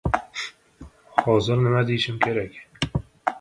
Маньеризм эволюционирует в фронт.